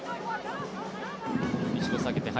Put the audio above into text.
一度下げて林。